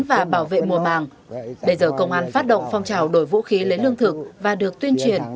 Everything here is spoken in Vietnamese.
và bảo vệ mùa màng bây giờ công an phát động phong trào đổi vũ khí lấy lương thực và được tuyên truyền